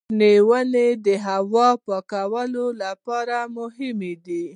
شنې ونې د هوا پاکولو لپاره مهمې دي.